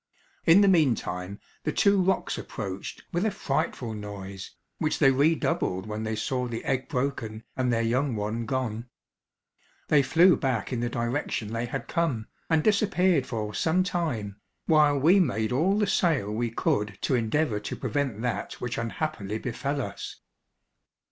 In the meantime, the two rocs approached with a frightful noise, which they redoubled when they saw the egg broken and their young one gone. They flew back in the direction they had come, and disappeared for some time, while we made all the sail we could to endeavour to prevent that which unhappily befell us.